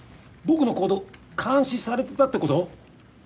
僕の行動監視されてたってこと！？